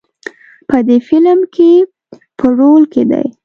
په دې فیلم کې په رول کې دی.